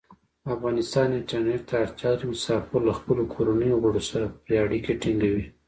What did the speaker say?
افغانستان انټرنیټ ته اړتیا لري. مسافر له خپلو کورنیو غړو سره پری اړیکې ټینګوی.